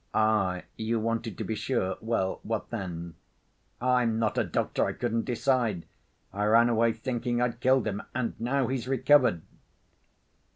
"Ah! You wanted to be sure? Well, what then?" "I'm not a doctor. I couldn't decide. I ran away thinking I'd killed him. And now he's recovered."